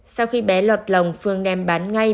sau khi bé lọt lồng phương đem bán ngay